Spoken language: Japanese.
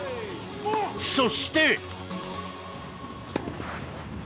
そして。